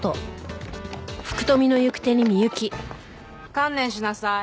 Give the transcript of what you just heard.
観念しなさい。